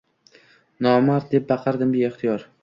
“Nomard!” deb baqirdim beixtiyor.